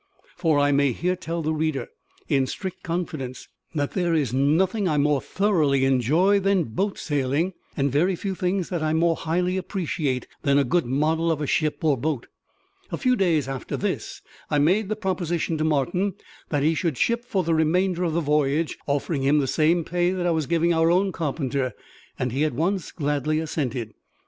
For I may here tell the reader, in strict confidence, that there is nothing I more thoroughly enjoy than boat sailing, and very few things that I more highly appreciate than a good model of a ship or boat. A few days after this I made the proposition to Martin that he should ship for the remainder of the voyage, offering him the same pay that I was giving our own carpenter; and he at once gladly assented.